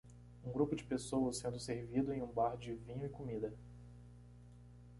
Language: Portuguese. Um grupo de pessoas sendo servido em um bar de vinho e comida